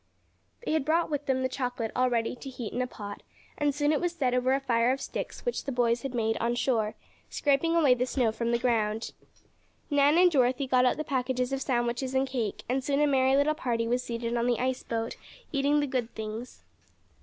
They had brought with them the chocolate all ready to heat in a pot, and soon it was set over a fire of sticks which the boys had made on shore, scraping away the snow from the ground. Nan and Dorothy got out the packages of sandwiches and cake, and soon a merry little party was seated on the ice boat, eating the good things.